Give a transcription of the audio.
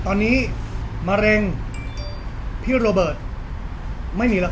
ตอนนี้มะเร็งพี่พี่โบต์ไม่มีอ่ะครับ